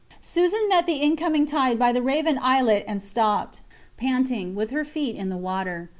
Susan met the incoming tide by the Raven islet and stopped, panting, with her feet in the water.